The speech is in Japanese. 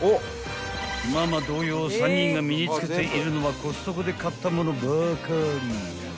［ママ同様３人が身に着けているのはコストコで買ったものばかり］